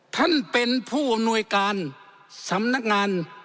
ท่านเป็นผู้อำนวยการสำนักงาน